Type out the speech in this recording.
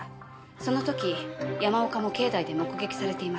その時山岡も境内で目撃されています。